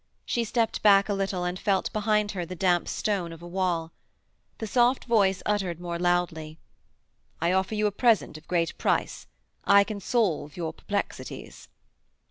She stepped back a little and felt behind her the damp stone of a wall. The soft voice uttered more loudly: 'I offer you a present of great price; I can solve your perplexities.'